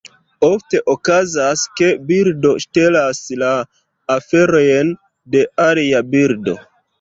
Ofte okazas, ke birdo ŝtelas la aferojn de alia birdo.